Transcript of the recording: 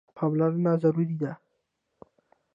پاملرنه ضروري ده.